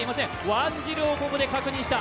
ワンジルをここで確認した。